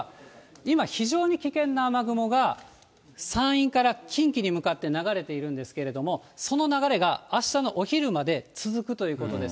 今、非常に危険な雨雲が山陰から近畿に向かって流れているんですけれども、その流れがあしたのお昼まで続くということです。